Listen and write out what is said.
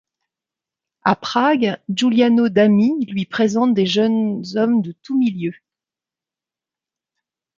À Prague, Giuliano Dami lui présente des jeunes hommes de tous milieux.